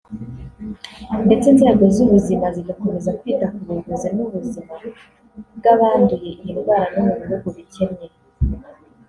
ndetse inzego z’ubuzima zigakomeza kwita ku buvuzi n’ubuzima bw’abanduye iyi ndwara no mu bihugu bikennye